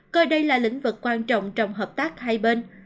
coi đây là lĩnh vực quan trọng trong hợp tác hai bên